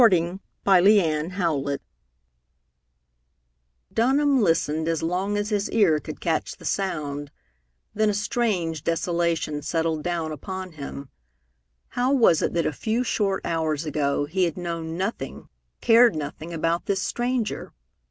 IV Dunham listened as long as his ear could catch the sound, then a strange desolation settled down upon him. How was it that a few short hours ago he had known nothing, cared nothing, about this stranger?